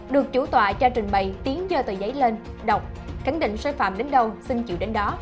được chủ tòa cho trình bày tiến dơ tờ giấy lên đọc khẳng định sai phạm đến đâu xin chịu đến đó